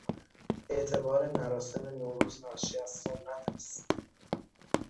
اعتبار مراسم نوروز ناشی از سنت است.